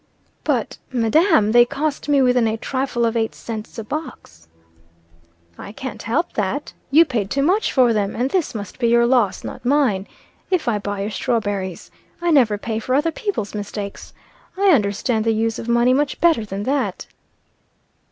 "But, madam, they cost me within a trifle of eight cents a box." "I can't help that. You paid too much for them, and this must be your loss, not mine, if I buy your strawberries. I never pay for other people's mistakes. I understand the use of money much better than that."